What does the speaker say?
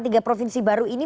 tiga provinsi baru ini